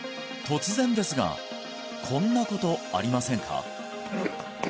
突然ですがこんなことありませんか？